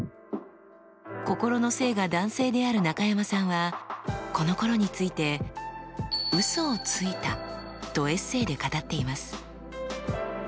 心の性が男性である中山さんはこのころについて「嘘をついた」とエッセーで語っています。